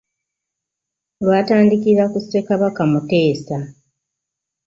Lwatandikira ku Ssekabaka Muteesa.